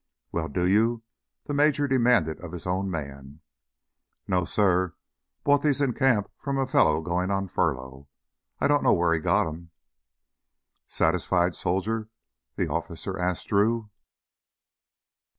"Well, do you?" the major demanded of his own man. "No, sir. Bought these in camp from a fella goin' on furlough. I don't know where he got 'em." "Satisfied, soldier?" the officer asked Drew.